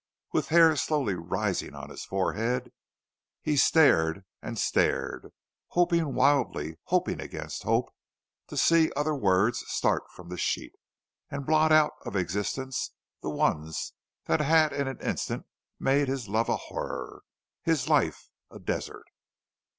With hair slowly rising on his forehead, he stared and stared, hoping wildly, hoping against hope, to see other words start from the sheet, and blot out of existence the ones that had in an instant made his love a horror, his life a desert.